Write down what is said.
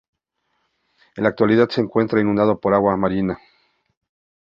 En la actualidad se encuentra inundado por agua marina.